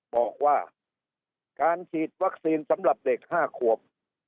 บอกว่าการฉีดวัคซีนสำหรับเด็ก๕ขวบ